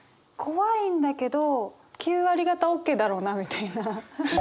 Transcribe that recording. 怖いんだけど９割がたＯＫだろうなみたいな。